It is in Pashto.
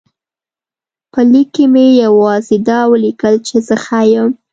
په لیک کې مې یوازې دا ولیکل چې زه ښه یم.